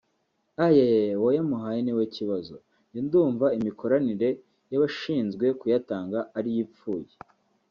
ayayayay uwayamuhaye niwe kibazo njye ndumva imikoranire yabashinzwe kuyatanga ariyo ipfuye